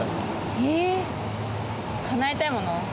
えー、かなえたいもの？